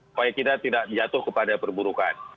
supaya kita tidak jatuh kepada perburukan